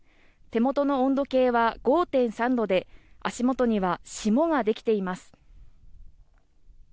手元の温度計は５．３度で足元には、霜ができています。